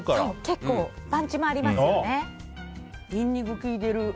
結構パンチもありますね。